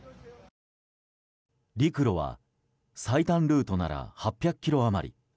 陸路は最短ルートなら８００ｋｍ余り。